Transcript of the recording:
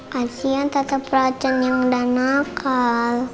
kasian tante frozen yang sudah nakal